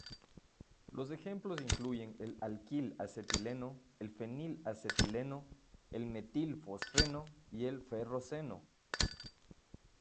Los ejemplos incluyen el alquil-acetileno, el fenil-acetileno, el metil-fosfeno y el ferroceno.